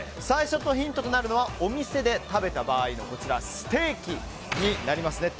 最初のヒントとなるのはお店で食べた場合のステーキになります。